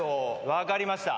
分かりました。